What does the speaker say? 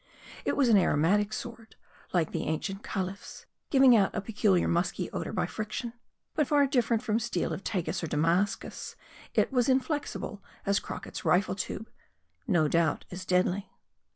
It was an aromatic sword ; like the ancient caliph's, giving out a pe culiar musky odor by friction. But far different from steel of Tagus or Damascus, it was inflexible as Crocket's rifle tube ; no doubt, as deadly.